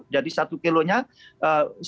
jadi satu kilonya rp sebelas itu subsidi nya